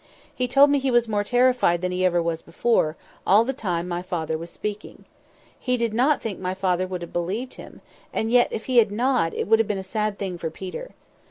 He told me he was more terrified than he ever was before, all the time my father was speaking. He did not think my father would have believed him; and yet if he had not, it would have been a sad thing for Peter.